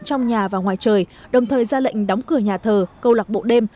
trong nhà và ngoài trời đồng thời ra lệnh đóng cửa nhà thờ câu lạc bộ đêm